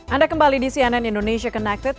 anda kembali di cnn indonesia connected